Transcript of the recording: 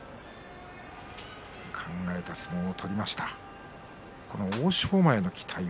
考える相撲を取りました。